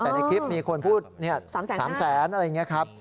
แต่ในคลิปมีคนพูด๓แสนอะไรอย่างนี้ครับ